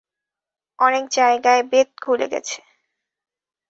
অনেক জায়গায় বেত খুলে গেছে।